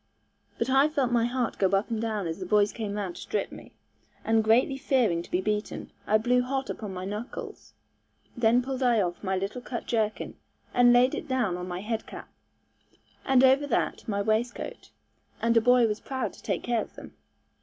But I felt my heart go up and down as the boys came round to strip me; and greatly fearing to be beaten, I blew hot upon my knuckles. Then pulled I off my little cut jerkin, and laid it down on my head cap, and over that my waistcoat, and a boy was proud to take care of them.